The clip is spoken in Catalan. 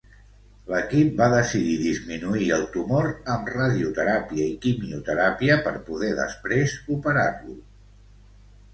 L'equip va decidir disminuir el tumor amb radioteràpia i quimioteràpia per poder després operar-lo.